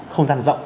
không gian rộng